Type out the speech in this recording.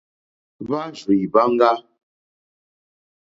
Hwá rzì hwáŋɡá.